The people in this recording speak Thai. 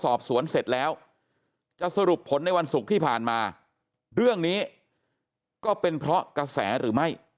สอบสวนเสร็จแล้วจะสรุปผลในวันศุกร์ที่ผ่านมาเรื่องนี้ก็เป็นเพราะกระแสหรือไม่